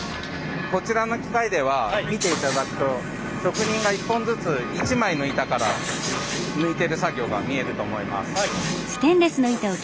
こちらの機械では見ていただくと職人が一本ずつ一枚の板から抜いてる作業が見えると思います。